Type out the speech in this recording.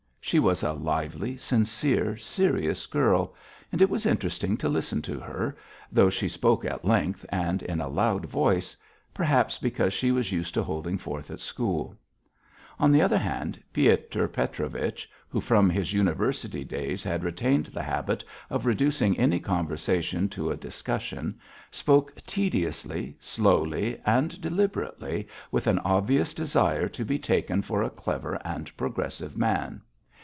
She was a lively, sincere, serious girl, and it was interesting to listen to her, though she spoke at length and in a loud voice perhaps because she was used to holding forth at school. On the other hand, Piotr Petrovich, who from his university days had retained the habit of reducing any conversation to a discussion, spoke tediously, slowly, and deliberately, with an obvious desire to be taken for a clever and progressive man.